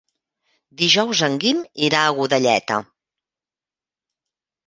Dijous en Guim irà a Godelleta.